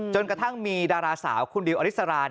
กระทั่งมีดาราสาวคุณดิวอริสรา